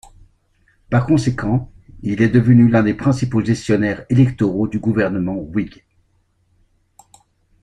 Par conséquent, il est devenu l'un des principaux gestionnaires électoraux du gouvernement Whig.